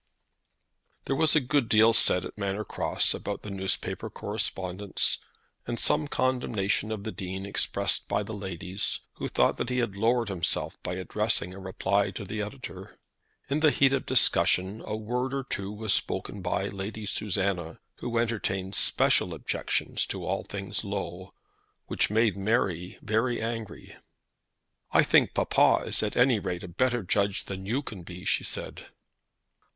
There was a good deal said at Manor Cross about the newspaper correspondence, and some condemnation of the Dean expressed by the ladies, who thought that he had lowered himself by addressing a reply to the editor. In the heat of discussion a word or two was spoken by Lady Susanna, who entertained special objections to all things low, which made Mary very angry. "I think papa is at any rate a better judge than you can be," she said.